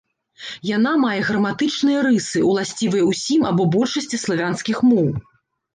Яна мае граматычныя рысы, ўласцівыя ўсім або большасці славянскіх моў.